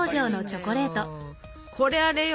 これあれよ！